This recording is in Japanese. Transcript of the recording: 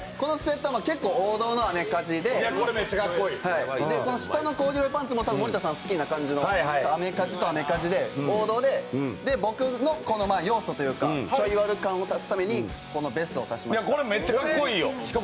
結構王道のアメカジでこの下のコーデのパンツも森田さんが好きな感じでアメカジとアメカジで王道で、僕の要素というか、ちょいワル感を出すために、このベストを足しました。